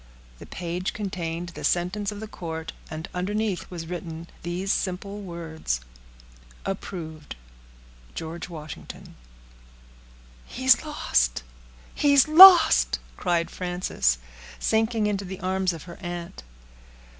The paper contained the sentence of the court, and underneath was written these simple words,— "Approved—GEO. WASHINGTON." "He's lost, he's lost!" cried Frances, sinking into the arms of her aunt.